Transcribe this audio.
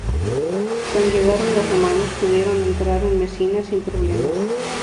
Cuando llegaron los romanos, pudieron entrar en Mesina sin problemas.